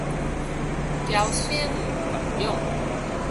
嬌生慣養